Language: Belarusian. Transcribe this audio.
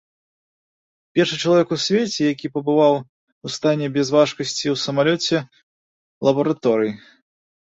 Першы чалавек у свеце, які пабываў у стане бязважкасці ў самалёце-лабараторыі.